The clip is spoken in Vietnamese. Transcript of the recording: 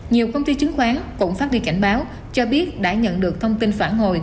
nhiều công ty chứng khoán cũng phát đi cảnh báo cho biết đã nhận được thông tin phản hồi